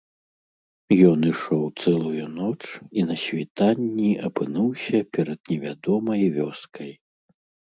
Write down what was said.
Ён ішоў цэлую ноч і на світанні апынуўся перад невядомай вёскай.